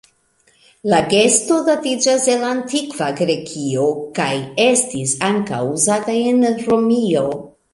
La gesto datiĝas el Antikva Grekio kaj estis ankaŭ uzata en Romio.